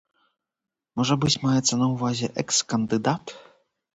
Можа быць, маецца на ўвазе экс-кандыдат?